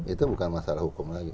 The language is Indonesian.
itu bukan masalah hukum lagi